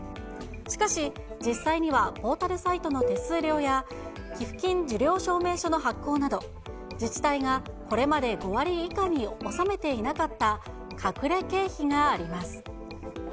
しかし実際には、ポータルサイトの手数料や、寄付金受領証明書の発行など、自治体がこれまで５割以下に収めていなかった隠れ経費があります。